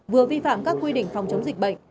vừa vi phạm các quy định phòng chống dịch bệnh